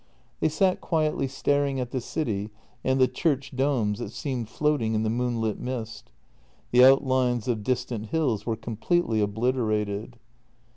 They sat quietly staring at the city and the church domes that seemed floating in the moonlit mist. The outlines of distant hills were completely obliterated.